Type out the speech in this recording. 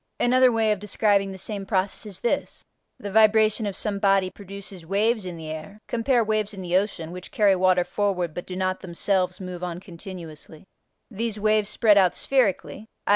Another way of describing the same process is this: the vibration of some body produces waves in the air (cf. waves in the ocean, which carry water forward but do not themselves move on continuously), these waves spread out spherically (i.